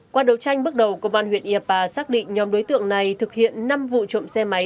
qua đấu tranh bước đầu công an huyện yapa xác định nhóm đối tượng này thực hiện năm vụ trộm xe máy